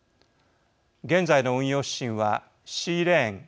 現在の運用指針はシーレーン＝